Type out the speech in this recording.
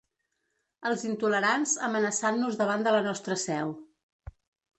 Els intolerants amenaçant-nos davant de la nostra seu.